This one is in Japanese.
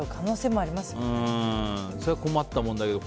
それは困った問題だけど。